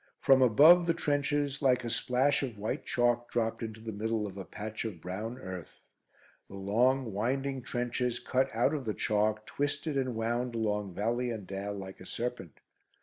From above the trenches, like a splash of white chalk dropped into the middle of a patch of brown earth. The long winding trenches cut out of the chalk twisted and wound along valley and dale like a serpent.